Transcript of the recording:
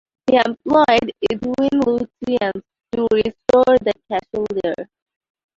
He employed Edwin Lutyens to restore the castle there.